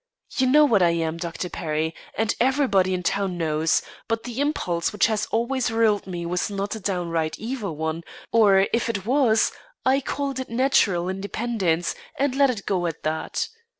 You know what I am, Dr. Perry, and everybody in town knows; but the impulse which has always ruled me was not a downright evil one; or if it was, I called it natural independence, and let it go at that.